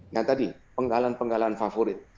nah tadi penggalan penggalan favorit